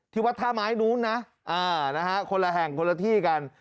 ที่วัดท่าหมายนู้นคนละแห่งคนละที่กัน